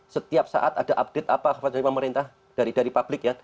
setiap saat ada update apa dari pemerintah dari publik ya